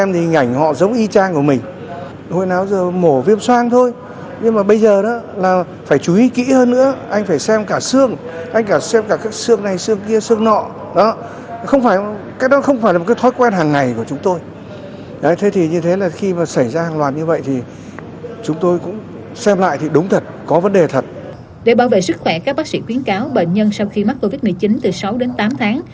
để bảo vệ sức khỏe các bác sĩ khuyến cáo bệnh nhân sau khi mắc covid một mươi chín từ sáu đến tám tháng